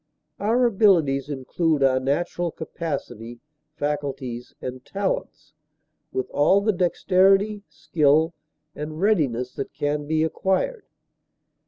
Our abilities include our natural capacity, faculties, and talents, with all the dexterity, skill, and readiness that can be acquired.